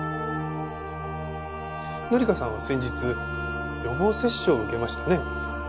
紀香さんは先日予防接種を受けましたね。